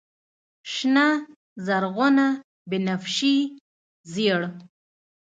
شنه، زرغونه، بنفشیې، ژړ